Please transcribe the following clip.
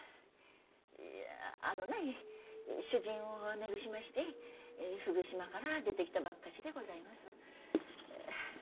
あのない主人を亡ぐしまして福島から出てきたばっかしでございます。